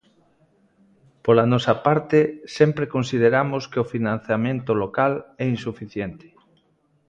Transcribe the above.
Pola nosa parte, sempre consideramos que o financiamento local é insuficiente.